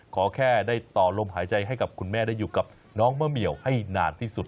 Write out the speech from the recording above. ขอแค่ได้ต่อลมหายใจให้กับคุณแม่ได้อยู่กับน้องมะเหมียวให้นานที่สุด